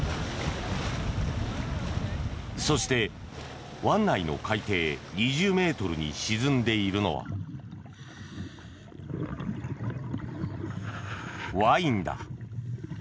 そして、湾内の海底２０ｍに沈んでいるのはワインだ。